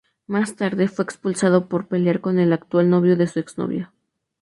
Más tarde fue expulsado por pelear con el actual novio de su ex novia.